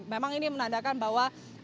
memang ini menandakan bahwa